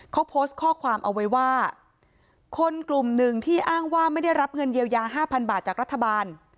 เขาโพสต์ข้อความเอาไว้ว่าคนกลุ่มหนึ่งที่อ้างว่าไม่ได้รับเงินเยียวยาห้าพันบาทจากรัฐบาล